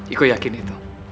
ikut yakin itu